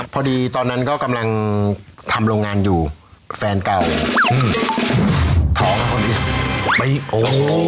พอดีตอนนั้นก็กำลังทำโรงงานอยู่แฟนเก่าอืมท้องอ่ะคนเดียวไปโอ้